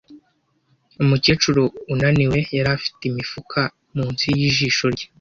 Umukecuru unaniwe yari afite imifuka munsi yijisho rye.